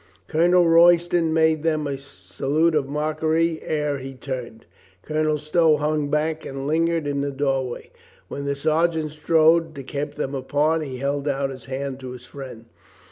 Colonel Royston made them a salute of mockery ere he turned. Colonel Stow hung back and lingered in the door way. While the sergeant strove to keep them apart, he held out his hand to his friend.